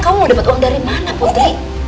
kamu mau dapat uang dari mana putri